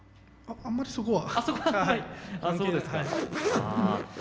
あまりそこは。